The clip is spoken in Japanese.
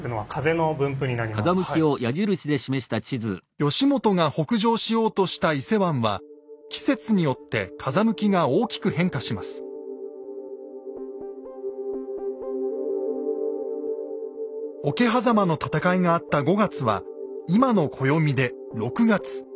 義元が北上しようとした伊勢湾は桶狭間の戦いがあった５月は今の暦で６月。